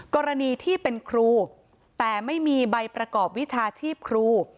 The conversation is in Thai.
กรณีที่เป็นครูแต่ไม่มีใบประกอบวิชาชีพครู